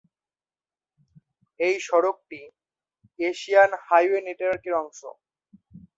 এই সড়কটি Asian highway নেটওয়ার্কের অংশ।